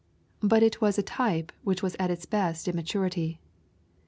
But it was a type which was at its best in maturity.